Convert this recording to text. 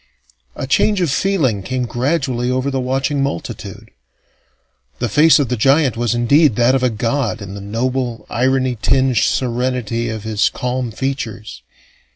A change of feeling came gradually over the watching multitude. The face of the giant was indeed that of a god in the noble, irony tinged serenity of his calm features.